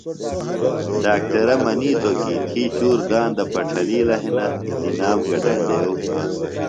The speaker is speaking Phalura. ڈاکٹرہ منِیتوۡ کیۡ تھی چُور داندہ پڇھَلِیلہ ہِنہ نِنام گڈینڈیوۡ۔